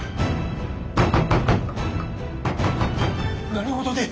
・何事で！？